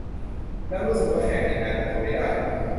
แล้วรู้สึกว่าแขกในงานจะทนไม่ได้